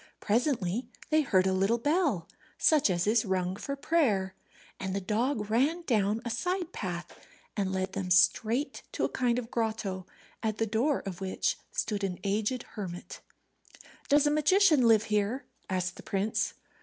Presently they heard a little bell, such as is rung for prayer, and the dog ran down a side path and led them straight to a kind of grotto, at the door of which stood an aged hermit. "Does a magician live here?" asked the prince.